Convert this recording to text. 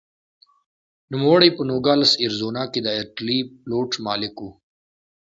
نوموړی په نوګالس اریزونا کې د ارټلي فلوټ مالک و.